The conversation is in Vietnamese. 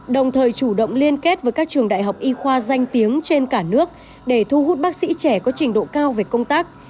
đồng thời chủ động liên kết với các trường đại học y khoa danh tiếng trên cả nước để thu hút bác sĩ trẻ có trình độ cao về công tác